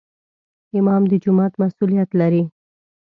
امام د جومات مسؤولیت لري